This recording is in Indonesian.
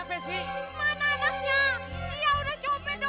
mana anaknya dia udah copet dompet saya pak